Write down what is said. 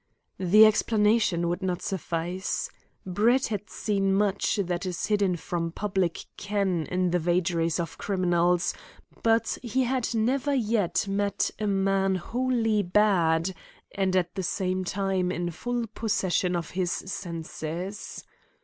The explanation would not suffice. Brett had seen much that is hidden from public ken in the vagaries of criminals, but he had never yet met a man wholly bad, and at the same time in full possession of his senses.